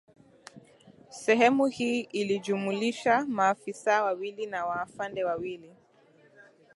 Sehemu hii ilijumlisha maafisa wawili na maafande wawili